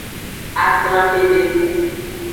Aglanmedenu.